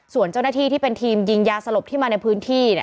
ส่วนเจ้าหน้าที่ที่เป็นทีมยิงยาสลบที่มาในพื้นที่